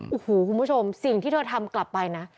โอ้โหคุณผู้ชมสิ่งที่เธอทำกลับไปนะ